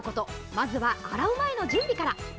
まずは、洗う前の準備から。